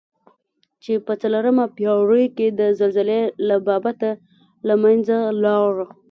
چې په څلورمه پېړۍ کې د زلزلې له بابته له منځه لاړه.